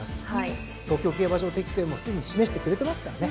東京競馬場適性もすでに示してくれてますからね。